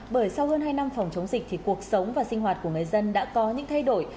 bởi sau hơn hai năm phòng chống dịch thì cuộc sống và sinh hoạt của người dân đã có những thay đổi